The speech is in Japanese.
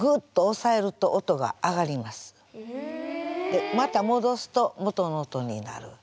でまたもどすと元の音になる。